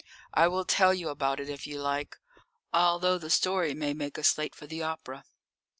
I will tell you about it if you like, although the story may make us late for the opera."